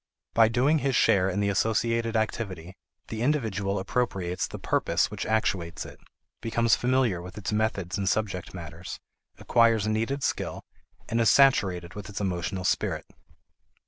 By doing his share in the associated activity, the individual appropriates the purpose which actuates it, becomes familiar with its methods and subject matters, acquires needed skill, and is saturated with its emotional spirit.